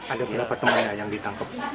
ada berapa temannya yang ditangkap